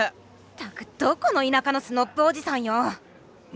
たくどこの田舎のスノッブおじさんよ！